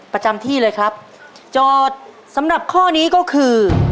ประจำที่เลยครับโจทย์สำหรับข้อนี้ก็คือ